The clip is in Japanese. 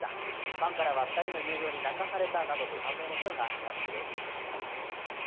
ファンからは、２人の友情に泣かされたなどと感動の声が上がっていました。